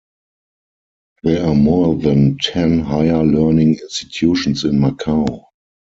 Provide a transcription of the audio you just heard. There are more than ten higher-learning institutions in Macau.